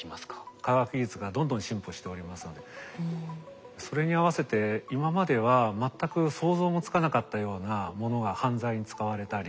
科学技術がどんどん進歩しておりますのでそれに合わせて今までは全く想像もつかなかったようなものが犯罪に使われたり